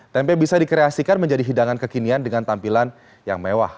tempe bisa dikreasikan menjadi hidangan kekinian dengan tampilan yang mewah